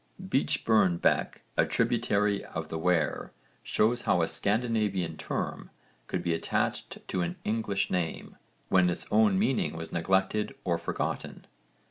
Beechburn Beck, a tributary of the Wear, shows how a Scandinavian term could be attached to an English name, when its own meaning was neglected or forgotten.